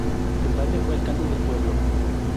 Su padre fue alcalde del pueblo.